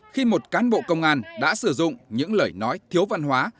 khi một cán bộ công an đã sử dụng những lời nói thiếu văn hóa